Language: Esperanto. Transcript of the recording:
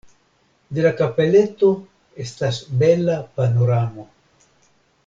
De la kapeleto estas bela panoramo.